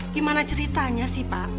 gimana ceritanya sih pak